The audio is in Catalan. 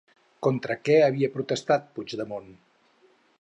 Contra que havia protestat Puigdemont?